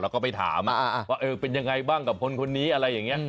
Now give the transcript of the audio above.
แล้วก็ไปถามว่าเป็นยังไงบ้างกับคนนี้อะไรอย่างนี้